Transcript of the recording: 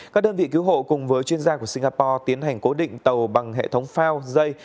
các đơn vị cứu hộ cùng với chuyên gia của singapore tiến hành cố định tàu bằng hệ thống phao dây